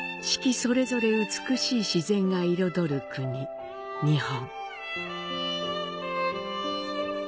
それぞれ美しい自然が彩る国、日本。